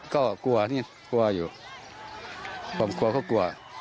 ก็กลัวนี่กลัวอยู่ความกลัวก็กลัว